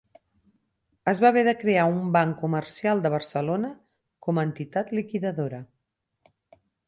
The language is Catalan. Es va haver de crear un Banc Comercial de Barcelona com a entitat liquidadora.